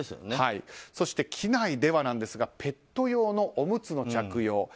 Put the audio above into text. そして、機内ではですがペット用のおむつの着用。